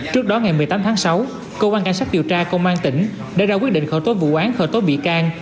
trước đó ngày một mươi tám tháng sáu cơ quan cảnh sát điều tra công an tỉnh đã ra quyết định khởi tố vụ án khởi tố bị can